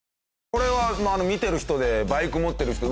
これは見てる人でバイク持ってる人